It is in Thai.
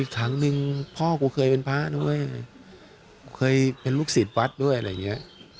ครั้งหนึ่งพ่อกูเคยเป็นพระด้วยเคยเป็นลูกศิษย์วัดด้วยอะไรอย่างนี้